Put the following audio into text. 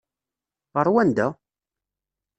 Ɣer wanda?